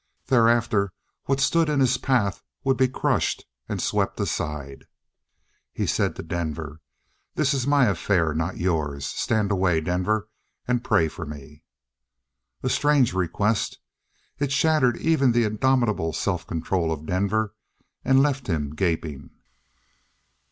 Thereafter what stood in his path would be crushed and swept aside. He said to Denver: "This is my affair, not yours. Stand away, Denver. And pray for me." A strange request. It shattered even the indomitable self control of Denver and left him gaping.